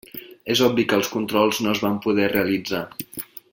És obvi que els controls no es van poder realitzar.